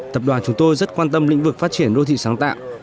tập đoàn chúng tôi rất quan tâm lĩnh vực phát triển đô thị sáng tạo